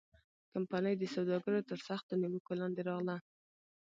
کمپنۍ د سوداګرو تر سختو نیوکو لاندې راغله.